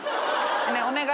ねえお願い。